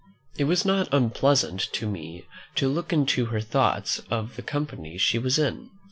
It was not unpleasant to me, to look into her thoughts of the company she was in.